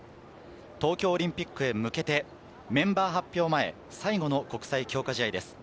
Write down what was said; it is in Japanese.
東京オリンピックへ向けて、メンバー発表前、最後の国際強化試合です。